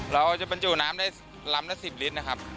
เราจะบรรจุน้ำได้ลำละ๑๐ลิตรนะครับ